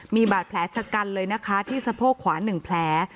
มีบาดแผลชะกันเลยนะคะที่สะโพกขวา๑แผล